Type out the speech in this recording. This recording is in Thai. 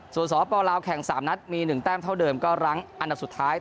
ส่วนสปลาวแข่ง๓นัดมี๑แต้มเท่าเดิมก็รั้งอันดับสุดท้าย